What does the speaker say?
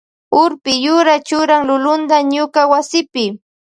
Urpi yura churan lulunta ñuka wasipi.